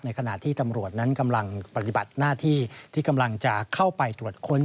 ขณะที่ตำรวจนั้นกำลังปฏิบัติหน้าที่ที่กำลังจะเข้าไปตรวจค้น